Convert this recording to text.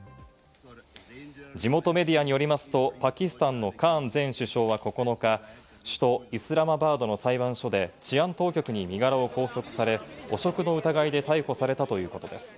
地元メディアによりますと、パキスタンのカーン前首相は９日、首都・イスラマバードの裁判所で治安当局に身柄を拘束され、汚職の疑いで逮捕されたということです。